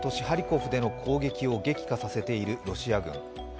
ハリコフでの攻撃を激化させているロシア軍。